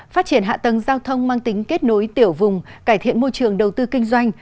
phát triển hạ tầng giao thông mang tính kết nối tiểu vùng cải thiện môi trường đầu tư kinh doanh